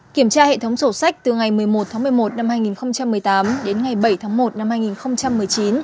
kiểm tra hệ thống sổ sách từ ngày một mươi một tháng một mươi một năm hai nghìn một mươi tám đến ngày bảy tháng một năm hai nghìn một mươi chín